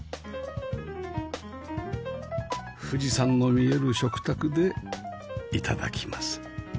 富士山の見える食卓で頂きます